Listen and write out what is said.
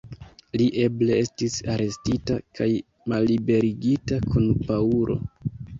Li eble estis arestita kaj malliberigita kun Paŭlo.